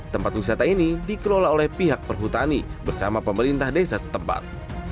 tempat wisata ini dikelola oleh pihak perhutani bersama pemerintah desa setempat